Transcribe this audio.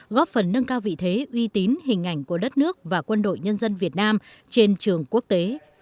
góp phần nâng cao vị thế uy tín hình ảnh của đất nước và quân đội nhân dân việt nam trên trường quốc tế